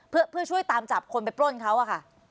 เพื่อช่วยตามจับคนไปปล้นเขาอะค่ะ